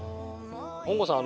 本郷さん